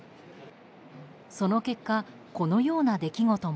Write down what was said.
その結果、このような出来事も。